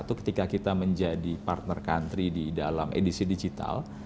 tahun dua ribu dua puluh satu ketika kita menjadi partner country di dalam edisi digital